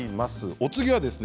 お次はですね